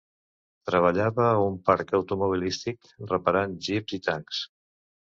Treballava a un parc automobilístic reparant jeeps i tancs.